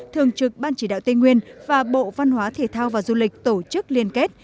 thường trực ban chỉ đạo tây nguyên và bộ văn hóa thể thao và du lịch tổ chức liên kết